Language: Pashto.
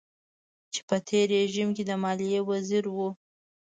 چې په تېر رژيم کې د ماليې وزير و.